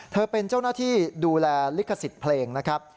เธอเป็นเจ้าหน้าที่ดูแลลิขสิทธิ์เพลงนะครับ